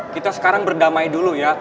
kita sekarang berdamai dulu ya